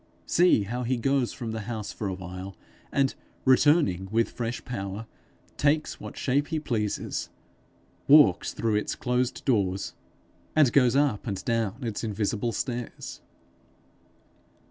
See how he goes from the house for a while, and returning with fresh power, takes what shape he pleases, walks through its closed doors, and goes up and down its invisible stairs!